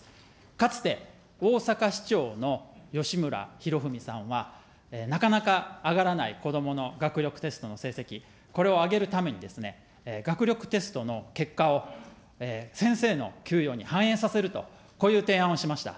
かつて、大阪市長の吉村洋文さんは、なかなか上がらない子どもの学力テストの成績、これを上げるためにですね、学力テストの結果を先生の給与に反映させると、こういう提案をしました。